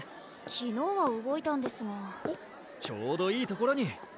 昨日は動いたんですがおっちょうどいいところに！